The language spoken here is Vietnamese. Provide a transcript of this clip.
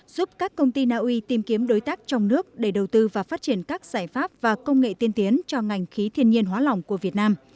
giúp các công ty naui tìm kiếm đối tác trong nước để đầu tư và phát triển các giải pháp và công nghệ tiên tiến cho ngành khí thiên nhiên hóa lỏng của việt nam